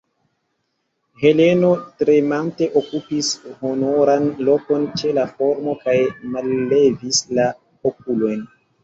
Heleno tremante okupis honoran lokon ĉe la forno kaj mallevis la okulojn.